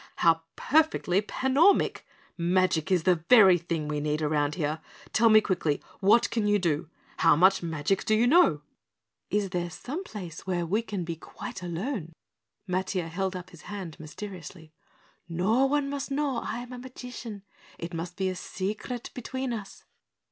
"How perfectly panormick! Magic is the very thing we need around here. Tell me quickly, what can you do? How much magic do you know?" "Is there some place where we can be quite alone?" Matiah held up his hand mysteriously. "No one must know I am a magician it must be a secret between us."